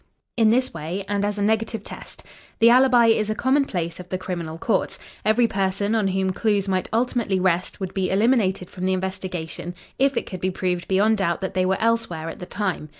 "In this way, and as a negative test. The alibi is a commonplace of the criminal courts. Every person on whom clues might ultimately rest would be eliminated from the investigation if it could be proved beyond doubt that they were elsewhere at the time.